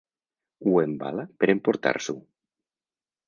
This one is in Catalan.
Ho embala per emportar-s'ho.